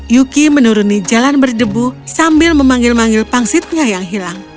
yuki menuruni jalan berdebu sambil memanggil manggil pangsitnya yang hilang